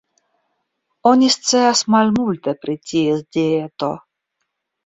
Oni scias malmulte pri ties dieto.